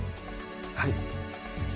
はい。